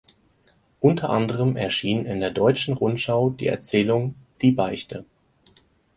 Unter anderem erschien in der Deutschen Rundschau die Erzählung "Die Beichte".